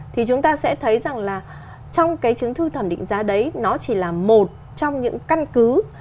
thì chúng ta sẽ thấy rằng là trong cái chứng thư thẩm định giá đấy nó chỉ là một trong những căn cứ